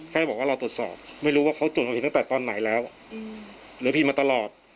แค่บอกว่าเราตรวจสอบไม่รู้ว่าเขาตรวจเอาผิดตั้งแต่ตอนไหนแล้วเหลือผีมาตลอด